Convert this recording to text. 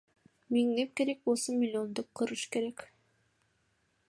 Миңдеп, керек болсо миллиондоп кырыш керек.